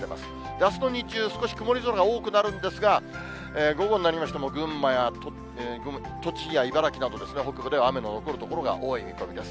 あすの日中、少し曇り空が多くなるんですが、午後になりましても、群馬や栃木や茨城など、北部では雨の残る所が多い見込みです。